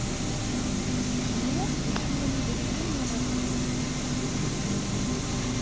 Mmi iḥemmel idlisen n yiɣersiwen.